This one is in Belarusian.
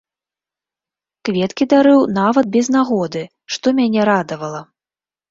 Кветкі дарыў нават без нагоды, што мяне радавала.